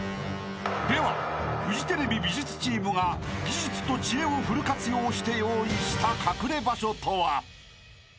［ではフジテレビ美術チームが技術と知恵をフル活用して用意した隠れ場所とは］